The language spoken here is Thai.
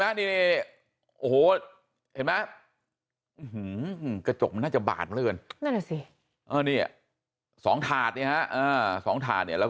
ไหมโอ้โหเห็นไหมกระจกน่าจะบาดเลยนั่นนี่สองถาดสองถาดแล้ว